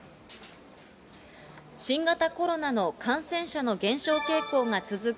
新型コロナの感染者の減少傾向が続く